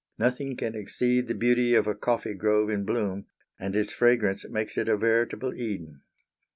Nothing can exceed the beauty of a coffee grove in bloom, and its fragrance makes it a veritable Eden.